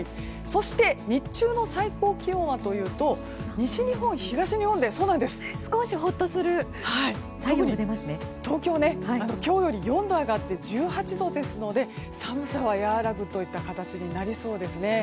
そして日中の最高気温はというと西日本、東日本で上がって東京は４度上がって１８度ですので寒さは和らぐといった形になりそうですね。